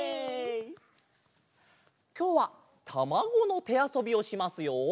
きょうはたまごのてあそびをしますよ。